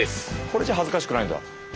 これじゃ恥ずかしくないんだ。